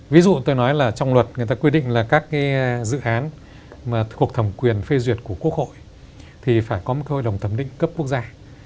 ví dụ tôi nói là trong luật người ta quy định là các dự án mà thuộc thẩm quyền phê duyệt của quốc hội thì phải có một hội đồng thẩm định cấp quốc gia